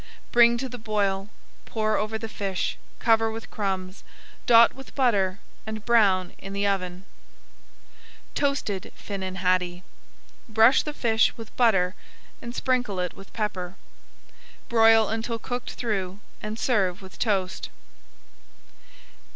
Bring to the boil, pour over the fish, cover with crumbs, dot with butter, and brown in the oven. TOASTED FINNAN HADDIE Brush the fish with butter and sprinkle it with pepper. Broil until cooked through, and serve with toast.